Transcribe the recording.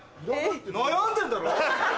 悩んでんだろ？